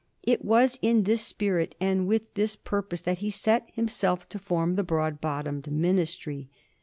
It was in this spirit and with this purpose that he set himself to form the " Broad bottomed Ministry."